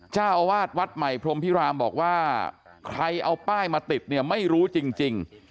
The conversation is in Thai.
เจ้าอาวาสวัดใหม่พรมพิรามบอกว่าใครเอาป้ายมาติดเนี่ยไม่รู้จริง